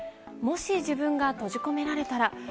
もし自分が閉じ込められたら。